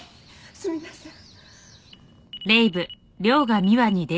すみません。